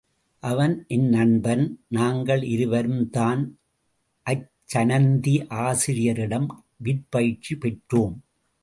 அவன் என் நண்பன், நாங்கள் இருவரும்தான் அச்சணந்தி ஆசிரியரிடம் விற்பயிற்சி பெற்றோம்.